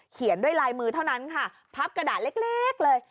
เขียนด้วยลายมือเท่านั้นค่ะพับกระดาษเล็กเลย